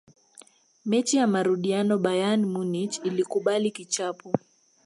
mechi ya marudiano bayern munich ilikubali kichapo